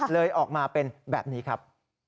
เลยออกมาเป็นแบบนี้ครับ